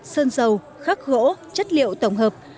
sơn dầu khắc gỗ chất liệu tổng hợp